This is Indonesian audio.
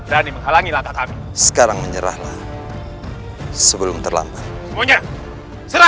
rani menghalangi langkah kami sekarang menyerahlah sebelum terlambat semuanya serang